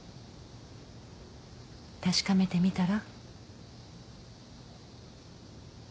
確かめてみたら？